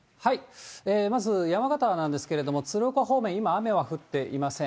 まず、山形なんですけれども、鶴岡方面、今、雨は降っていません。